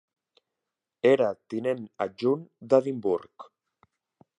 Era tinent adjunt d'Edimburg.